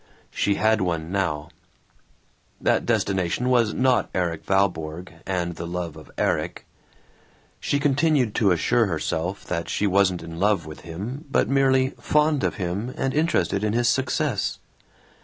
She had one now. That destination was not Erik Valborg and the love of Erik. She continued to assure herself that she wasn't in love with him but merely "fond of him, and interested in his success."